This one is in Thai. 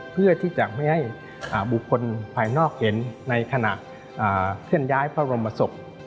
เพื่อที่จะไม่ให้บุคคลภายนอกเห็นในขณะเคลื่อนย้ายพระบรมศพ